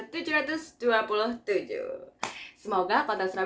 semoga kota surabaya semakin maju